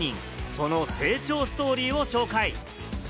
その成長ストーリーを紹介！